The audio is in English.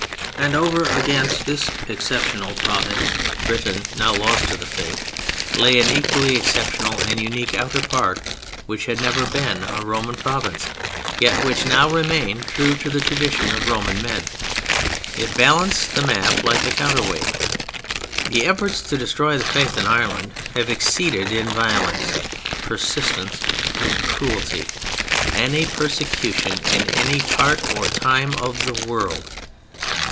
And over against this exceptional province—Britain—now lost to the Faith, lay an equally exceptional and unique outer part which had never been a Roman province, yet which now remained true to the tradition of Roman men; it balanced the map like a counterweight. The efforts to destroy the Faith in Ireland have exceeded in violence, persistence, and cruelty any persecution in any part or time of the world.